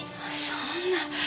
そんな！